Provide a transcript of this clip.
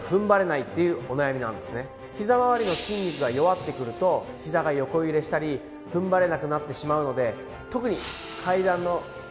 ひざまわりの筋肉が弱ってくるとひざが横揺れしたり踏ん張れなくなってしまうので。